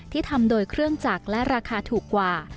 ที่ทำโดยเครื่องจักรและราคาถูกกว่า